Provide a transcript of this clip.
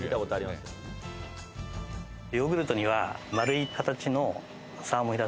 ヨーグルトには丸い形の。